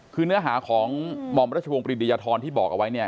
คือเนื้อหาของหม่อมราชวงษ์ปริฏิยธรที่บอกเอาไว้